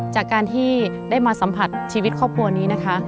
จากการที่ได้มาสัมผัสชีวิตครอบครัวนี้นะคะ